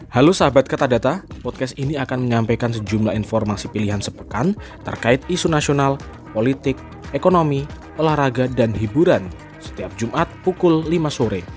halo sahabat kata podcast ini akan menyampaikan sejumlah informasi pilihan sepekan terkait isu nasional politik ekonomi olahraga dan hiburan setiap jumat pukul lima sore